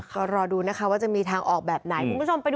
ก็รอดูนะคะว่าจะมีทางออกแบบไหน